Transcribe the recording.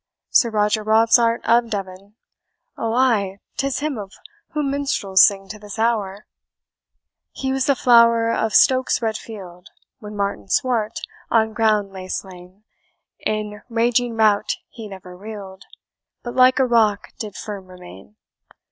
Sir Roger Robsart of Devon oh, ay, 'tis him of whom minstrels sing to this hour, 'He was the flower of Stoke's red field, When Martin Swart on ground lay slain; In raging rout he never reel'd, But like a rock did firm remain.'